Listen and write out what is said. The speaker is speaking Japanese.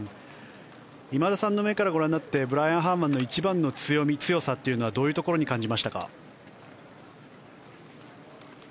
今田さんの目からご覧になってブライアン・ハーマンの一番の強み、強さというのはどういうところに感じましたか？